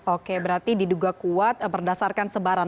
oke berarti diduga kuat berdasarkan sebaran